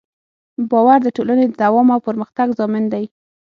باور د ټولنې د دوام او پرمختګ ضامن دی.